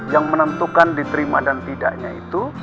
yang menentukan diterima dan tidaknya itu